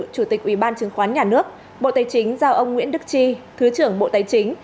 chủ tịch ubnd bộ tài chính giao ông nguyễn đức chi thứ trưởng bộ tài chính